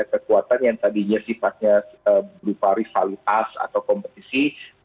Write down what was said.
kekuatan yang tadinya sifatnya berupa rivalitas atau kompetisi